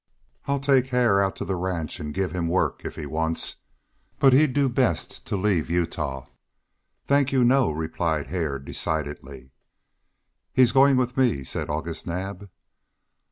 I'll take Hare out to the ranch and give him work, if he wants. But he'd do best to leave Utah." "Thank you, no," replied Hare, decidedly. "He's going with me," said August Naab.